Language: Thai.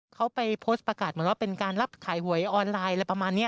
เขาไปโพสต์ประกาศเหมือนว่าเป็นการรับขายหวยออนไลน์อะไรประมาณนี้